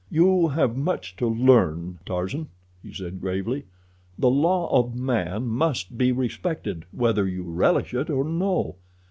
"You have much to learn, Tarzan," he said gravely. "The law of man must be respected, whether you relish it or no.